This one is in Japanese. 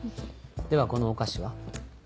ではこのお菓子は？